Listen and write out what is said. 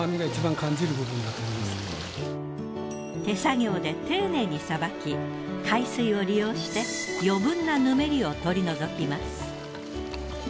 手作業で丁寧にさばき海水を利用して余分なぬめりを取り除きます。